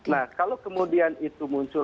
nah kalau kemudian itu muncul